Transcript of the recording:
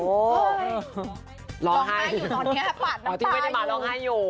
โอ้โฮร้องไห้อยู่ตอนนี้ล้าป่านน้ำตาอยู่อ๋อที่ไม่ได้มาร้องไห้อยู่